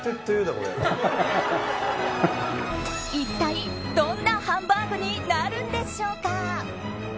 一体どんなハンバーグになるんでしょうか？